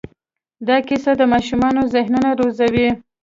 دا کیسې د ماشومانو ذهنونه روزي.